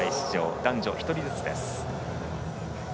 男女１人ずつです。